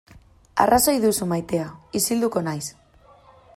Arrazoi duzu maitea, isilduko naiz.